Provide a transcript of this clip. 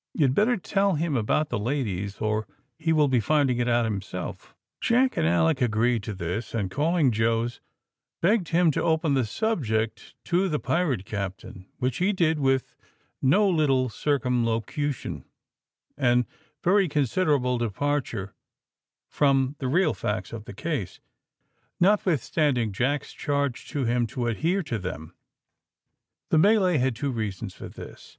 You'd better tell him about the ladies, or he will be finding it out himself." Jack and Alick agreed to this, and calling Jos, begged him to open the subject to the pirate captain, which he did with no little circumlocution; and very considerable departure from the real facts of the case, notwithstanding Jack's charge to him to adhere to them. The Malay had two reasons for this.